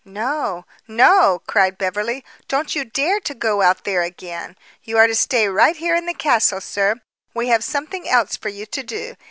"No? no!" cried Beverly. "Don't you dare to go out there again. You are to stay right here in the castle, sir. We have something else for you to do.